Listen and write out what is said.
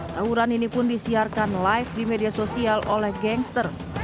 tawuran ini pun disiarkan live di media sosial oleh gangster